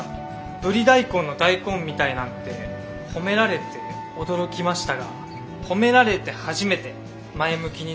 『ブリ大根の大根みたい』なんて褒められて驚きましたが褒められて初めて前向きになれました。